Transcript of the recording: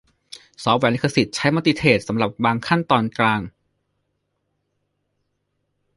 ซอฟต์แวร์ลิขสิทธิ์ใช้มัลติเธรดสำหรับบางขั้นตอนกลาง